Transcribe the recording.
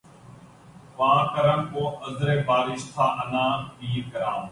واں کرم کو عذرِ بارش تھا عناں گیرِ خرام